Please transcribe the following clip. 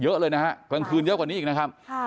เยอะเลยนะฮะกลางคืนเยอะกว่านี้อีกนะครับ